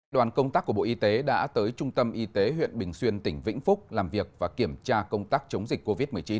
đoàn công tác của bộ y tế đã tới trung tâm y tế huyện bình xuyên tỉnh vĩnh phúc làm việc và kiểm tra công tác chống dịch covid một mươi chín